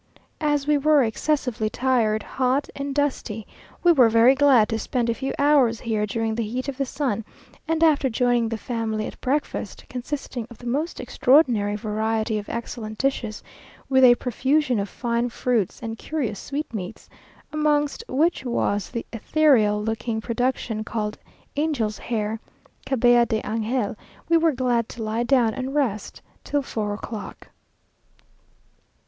As we were excessively tired, hot, and dusty, we were very glad to spend a few hours here during the heat of the sun; and after joining the family at breakfast, consisting of the most extraordinary variety of excellent dishes, with a profusion of fine fruits and curious sweetmeats (amongst which was that ethereal looking production, called angel's hair, cabella de angel), we were glad to lie down and rest till four o'clock.